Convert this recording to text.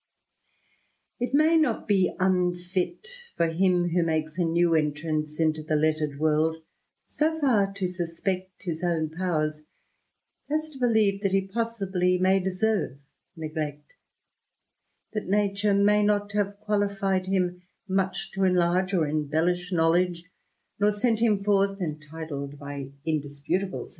It may not be unfit for him who makes a new entrance CInto the lettered world, so far to suspect his own powers, as to believe that he possibly may deserve neglect; ^t nature may not have qualified him much to enlarge or embellish knowledge, nor sent him forth entitled by indisputable ^ THE RAMBLER.